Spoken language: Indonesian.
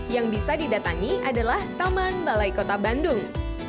yang bisa didatangi adalah taman balai kota bandung